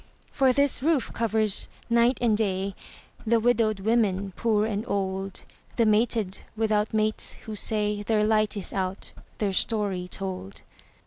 For this roof covers, night and day, The widowed women poor and old, The mated without mates, who say Their light is out, their story told.